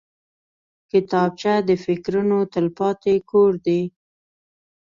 کتابچه د فکرونو تلپاتې کور دی